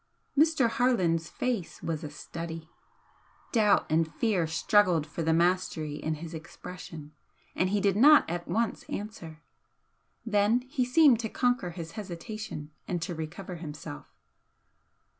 Mr. Harland's face was a study. Doubt and fear struggled for the mastery in his expression and he did not at once answer. Then he seemed to conquer his hesitation and to recover himself.